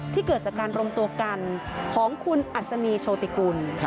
เกิดจากการรวมตัวกันของคุณอัศนีโชติกุล